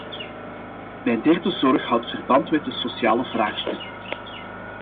Mijn derde zorg houdt verband met de sociale vraagstukken.